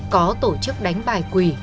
có tổ chức đánh bài quỳ